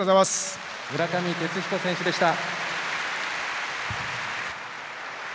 村上哲彦選手でした。